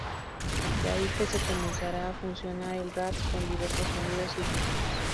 De ahí que se comenzara a fusionar el rap con diversos sonidos y ritmos.